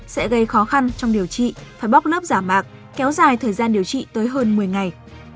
sẽ gây khó khăn trong điều trị phải bóc lớp giả mạc kéo dài thời gian điều trị tới hơn một mươi ngày